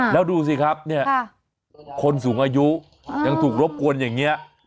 แล้วดูสิครับเนี่ยคนสูงอายุยังถูกรบกวนอย่างนี้